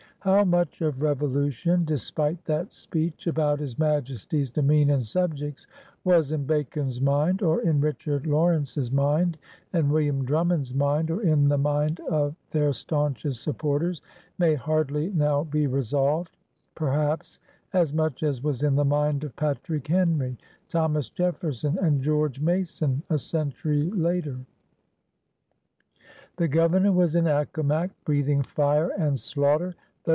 How much of revolution, despite that speech about his Majesty's demesne and subjects, was in Bacon's mind, or in Richard Lawrence's mind and William Drummond's mind, or in the mind of their staunchest supporters, may hardly now be re solved. Perhaps as much as was in the mind of Patrick Henry, Thomas Jefferson, and George Mason a century later. The Governor was in Accomac, breathing fire and slaughter, though.